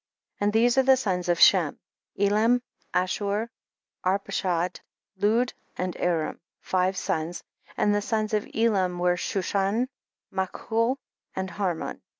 15. And these are the sons of Shem; Elam, Ashur, Arpachshad, Lud and Aram, five sons ; and the sons of Elam were Shushan, Ma chul and Harmon.